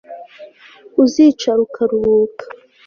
Uzicara ukaruhuka